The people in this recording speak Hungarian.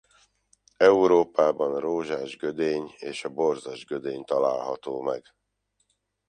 Európában a rózsás gödény és a borzas gödény található meg.